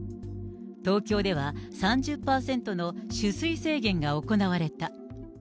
東京では３０％の取水制限が行われた。